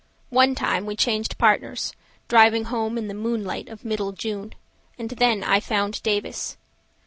One time we changed partners, Driving home in the moonlight of middle June, And then I found Davis.